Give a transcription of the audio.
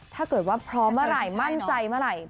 ถ้าเกิดว่าพร้อมเมื่อไหร่มั่นใจเมื่อไหร่